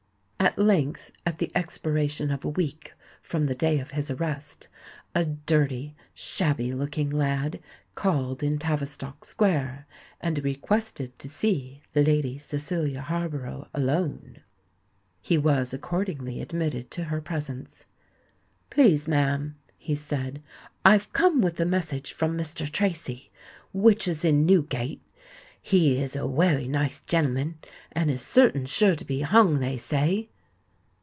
At length at the expiration of a week from the day of his arrest, a dirty, shabby looking lad called in Tavistock Square, and requested to see Lady Cecilia Harborough alone. He was accordingly admitted to her presence. "Please, ma'am," he said, "I've come with a message from Mr. Tracy, which is in Newgate. He is a wery nice gen'leman, and is certain sure to be hung, they say."